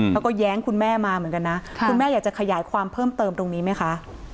เขาก็แย้งคุณแม่มาเหมือนกันนะคุณแม่อยากจะขยายความเพิ่มเติมตรงนี้ไหมคะ